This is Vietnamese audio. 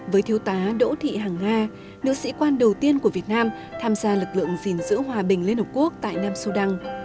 với thiếu tá đỗ thị hằng nga nữ sĩ quan đầu tiên của việt nam tham gia lực lượng gìn giữ hòa bình liên hợp quốc tại nam sudan